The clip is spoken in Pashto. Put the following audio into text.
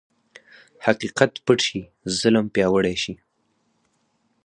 حقیقت پټ شي، ظلم پیاوړی شي.